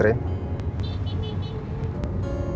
terima kasih ya